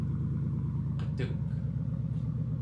qetek